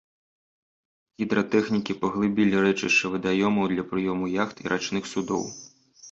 Гідратэхнікі паглыбілі рэчышча вадаёмаў для прыёму яхт і рачных судоў.